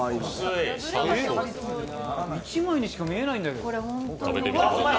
１枚にしか見えないんだけど。